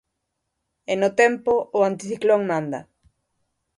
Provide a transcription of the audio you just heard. E no tempo, o anticiclón manda.